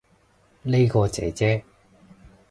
呢個姐姐